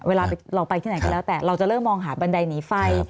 เวลาเราไปที่ไหนก็แล้วแต่เราจะเริ่มมองหาบันไดหนีไฟ